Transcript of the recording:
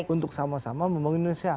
untuk sama sama membangun indonesia